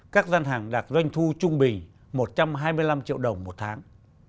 các gian hàng đạt doanh thu trung bình một trăm hai mươi năm triệu đồng một tháng